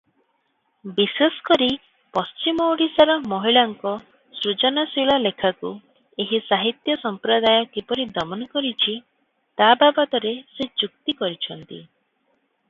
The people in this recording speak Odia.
ବିଶେଷ କରି ପଶ୍ଚିମ ଓଡ଼ିଶାର ମହିଳାଙ୍କ ସୃଜନଶୀଳ ଲେଖାକୁ ଏହି ସାହିତ୍ୟ ସମ୍ପ୍ରଦାୟ କିପରି ଦମନ କରିଛି ତା’ ବାବଦରେ ସେ ଯୁକ୍ତି କରିଛନ୍ତି ।